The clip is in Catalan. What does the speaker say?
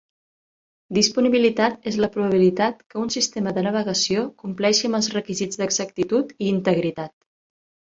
Disponibilitat és la probabilitat que un sistema de navegació compleixi amb els requisits d'exactitud i integritat.